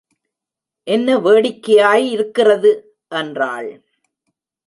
என்ன வேடிக்கையாய் யிருக்கிறது! என்றாள்.